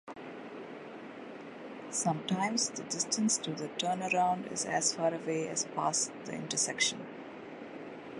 Sometimes the distance to the turnaround is as far away as past the intersection.